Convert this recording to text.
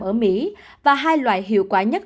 ở mỹ và hai loại hiệu quả nhất